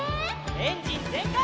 エンジンぜんかい！